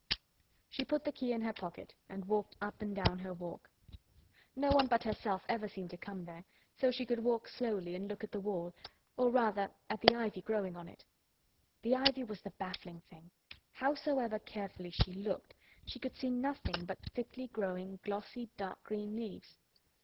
She put the key in her pocket and walked up and down her walk. No one but herself ever seemed to come there, so she could walk slowly and look at the wall, or, rather, at the ivy growing on it. The ivy was the baffling thing. Howsoever carefully she looked she could see nothing but thickly growing, glossy, dark green leaves.